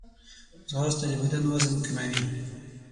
ځغاسته د بدن وزن کموي